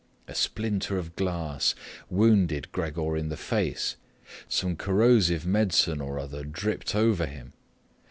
A splinter of glass wounded Gregor in the face, some corrosive medicine or other dripped over him.